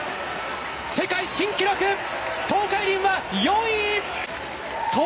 世界新記録、東海林は４位。